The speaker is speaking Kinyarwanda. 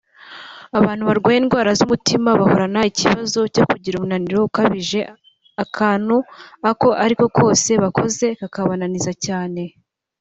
Abantu barwaye indwara z’umutima bahorana ikibazo cyo kugira umunaniro ukabije akantu ako ariko kose bakoze kakabananiza cyane